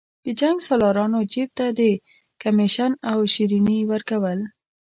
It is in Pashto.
د جنګسالارانو جیب ته د کمېشن او شریني ورکول.